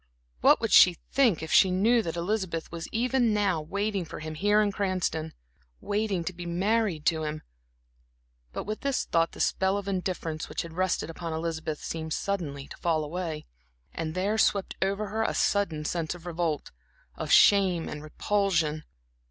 What would she think if she knew that Elizabeth was even now waiting for him here in Cranston waiting to be married to him? But with this thought the spell of indifference which had rested upon Elizabeth seemed suddenly to fall away, and there swept over her a sudden sense of revolt, of shame and repulsion.